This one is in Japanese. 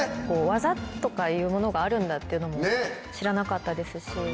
技とかいうものがあるんだっていうのも知らなかったですし。